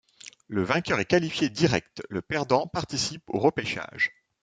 Le vainqueur est qualifié direct, le perdant participe aux repêchages.